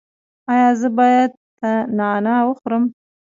ایا زه باید نعناع وخورم؟